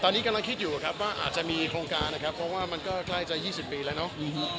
ตอนนี้กำลังคิดอยู่ครับว่าอาจจะมีโครงการนะครับเพราะว่ามันก็ใกล้จะ๒๐ปีแล้วเนาะ